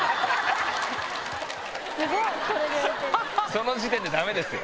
その時点でダメですよ。